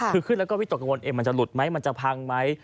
คือขึ้นแล้วก็วิตกกังวลมันจะหลุดไหมมันจะพังไหม